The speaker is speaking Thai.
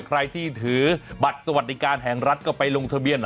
ใครที่ถือบัตรสวัสดิการแห่งรัฐก็ไปลงทะเบียน